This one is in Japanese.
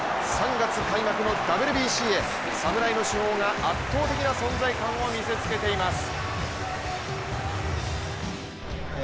３月開幕のＷＢＣへ侍の主砲が圧倒的な存在感を見せつけています。